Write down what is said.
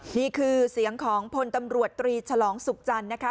นี่คือเสียงของพลตำรวจตรีฉลองสุขจันทร์นะคะ